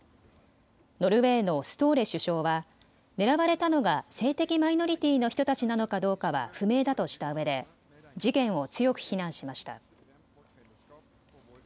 ノルウェーのストーレ首相は狙われたのが性的マイノリティーの人たちなのかどうかは不明だとしたうえで事件を強く非難しました。